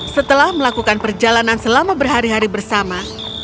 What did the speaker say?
setelah melakukan perjalanan selama berhari hari bersama